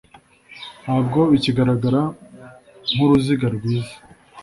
Ntabwo bikigaragara nkuruziga rwiza.